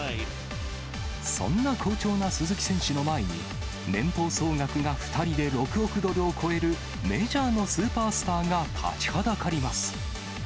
そんな好調な鈴木選手の前に、年俸総額が２人で６億ドルを超えるメジャーのスーパースターが立ちはだかります。